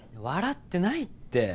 笑ってないって。